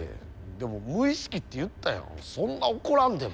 でも無意識って言ったやんそんな怒らんでも。